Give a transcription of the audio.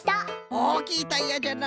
おおきいタイヤじゃな。